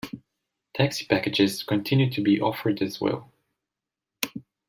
Taxi packages continued to be offered as well.